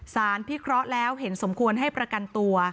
พิเคราะห์แล้วเห็นสมควรให้ประกันตัว